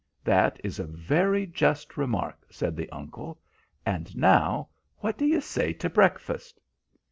"That is a very just remark," said the uncle. "And now what do you say to breakfast?"